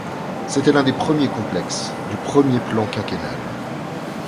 C'était l'un des premiers complexes du premier plan quinquennal.